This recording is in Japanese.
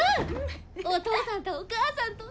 お父さんとお母さんと３人で海！